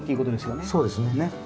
そうですね。